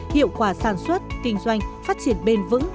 hiệu quả sản xuất kinh doanh phát triển bền vững